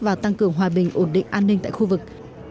và tăng cường hòa bình ổn định an ninh tại khu vực